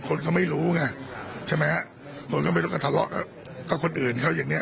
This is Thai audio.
คนเขาไม่รู้ไงใช่ไหมฮะคนก็ไม่รู้ก็ทะเลาะกับคนอื่นเขาอย่างเนี้ย